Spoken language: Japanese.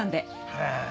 へえ。